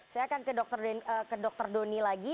saya akan ke dr doni lagi